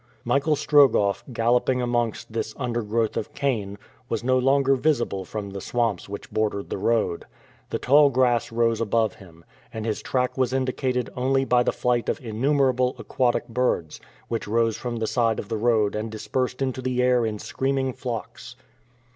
Michael Strogoff, galloping amongst this undergrowth of cane, was no longer visible from the swamps which bordered the road. The tall grass rose above him, and his track was indicated only by the flight of innumerable aquatic birds, which rose from the side of the road and dispersed into the air in screaming flocks.